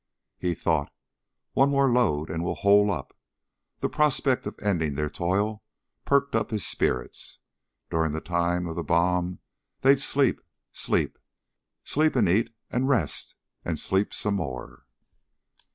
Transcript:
He thought: One more load and we'll hole up. The prospect of ending their toil perked up his spirits. During the time of the bomb they'd sleep sleep. Sleep and eat and rest and sleep some more.